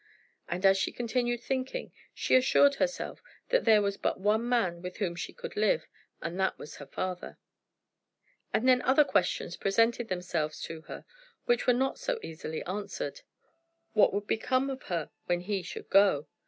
And as she continued thinking she assured herself that there was but one man with whom she could live, and that that was her father. And then other questions presented themselves to her, which were not so easily answered. What would become of her when he should go?